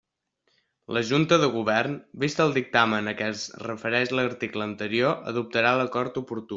La Junta de Govern, vist el dictamen a què es refereix l'article anterior, adoptarà l'acord oportú.